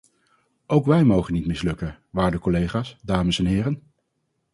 Ook wij mogen niet mislukken, waarde collega's, dames en heren!